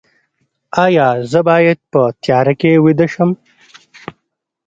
ایا زه باید په تیاره کې ویده شم؟